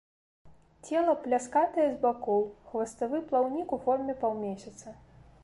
Цела пляскатае з бакоў, хваставы плаўнік ў форме паўмесяца.